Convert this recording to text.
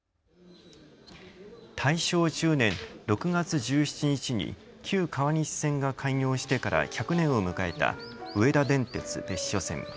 大正１０年６月１７日に旧川西線が開業してから１００年を迎えた上田電鉄別所線。